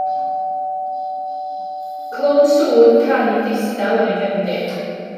Clywn sŵn canu distaw yn y cefndir.